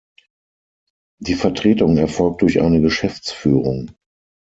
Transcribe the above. Die Vertretung erfolgt durch eine Geschäftsführung.